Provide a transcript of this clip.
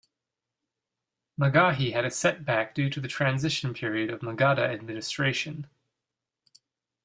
Magahi had a setback due to the transition period of Magadha administration.